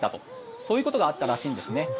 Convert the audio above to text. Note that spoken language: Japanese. そういうことがあったらしいんですね。